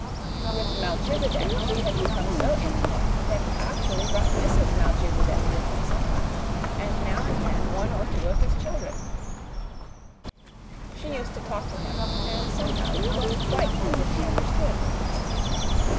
With Melchisedec she had become so intimate that he actually brought Mrs. Melchisedec with him sometimes, and now and then one or two of his children. She used to talk to him, and, somehow, he looked quite as if he understood.